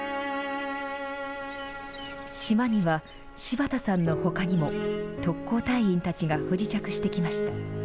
島には柴田さんのほかにも特攻隊員たちが不時着してきました。